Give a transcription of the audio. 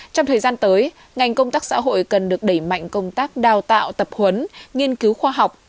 trong thời gian tới ngành công tác xã hội cần được đẩy mạnh công tác đào tạo tập huấn nghiên cứu khoa học